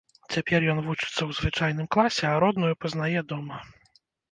Цяпер ён вучыцца ў звычайным класе, а родную пазнае дома.